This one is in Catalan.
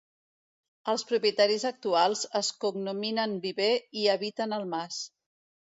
Els propietaris actuals es cognominen viver i habiten el mas.